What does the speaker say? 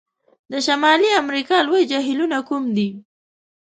د شمالي امریکا لوی جهیلونو کوم دي؟